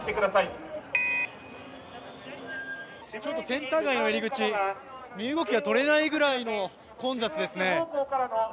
センター街の入り口、身動きがとれないくらいの混雑ですね。